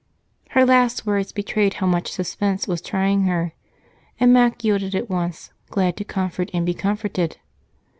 Her last words betrayed how much suspense was trying her, and Mac yielded at once, glad to comfort and be comforted.